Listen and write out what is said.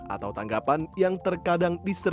atau tanggapan yang terkadang diserahkan